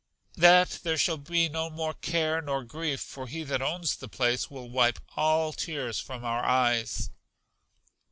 That there shall be no more care nor grief for he that owns the place will wipe all tears from our eyes.